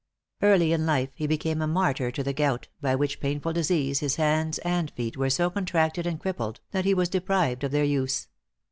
Early in life he became a martyr to the gout, by which painful disease his hands and feet were so contracted and crippled that he was deprived of their use.